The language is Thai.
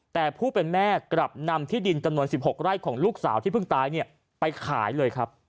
แต่ผู้เป็นแม่กลับนำที่ดินจำนวน๑๖ไร่ของลูกสาวที่เพิ่งตายไปขายเลยครับ